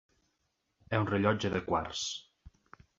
És un rellotge de quars.